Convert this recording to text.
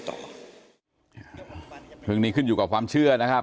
ตื่องนี้ขึ้นอยู่เมื่อกว่าความเชื่อ